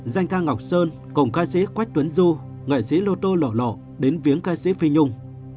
danh ca ngọc sơn cùng ca sĩ quách tuấn du nghệ sĩ lô tô lẩu lộ đến viếng ca sĩ phi nhung